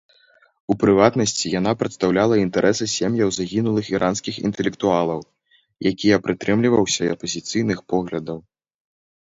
У прыватнасці, яна прадстаўляла інтарэсы сем'яў загінулых іранскіх інтэлектуалаў, якія прытрымліваўся апазіцыйных поглядаў.